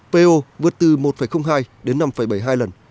po vượt từ một hai đến năm bảy mươi hai lần